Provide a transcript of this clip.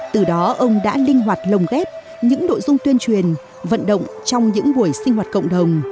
từ đó ông đã linh hoạt lồng ghép những nội dung tuyên truyền vận động trong những buổi sinh hoạt cộng đồng